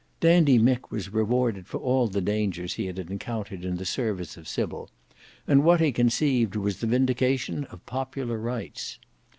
Dandy Mick was rewarded for all the dangers he had encountered in the service of Sybil, and what he conceived was the vindication of popular rights.